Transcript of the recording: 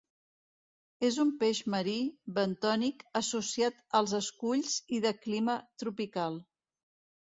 És un peix marí, bentònic, associat als esculls i de clima tropical.